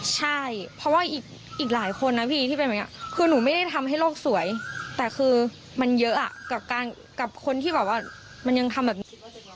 ใช่เพราะว่าอีกหลายคนนะพี่ที่เป็นแบบนี้คือหนูไม่ได้ทำให้โลกสวยแต่คือมันเยอะกับคนที่แบบว่ามันยังทำแบบนี้